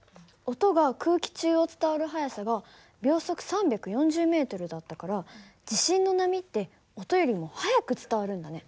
音が空気中を伝わる速さが秒速３４０ｍだったから地震の波って音よりも速く伝わるんだね。